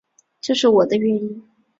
这是我的原因